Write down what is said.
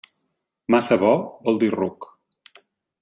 Massa bo, vol dir ruc.